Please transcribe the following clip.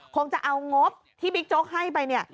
คงจะเอางบที่บิ๊กโจ๊กให้ไปเนี่ย